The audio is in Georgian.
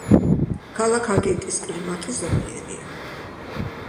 ქალაქ აკიტის კლიმატი ზომიერია.